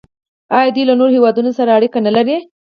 آیا دوی له نورو هیوادونو سره اړیکې نلري؟